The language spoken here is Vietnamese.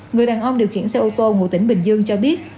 người đàn ông điều khiển xe ô tô ngụ tỉnh bình dương cho biết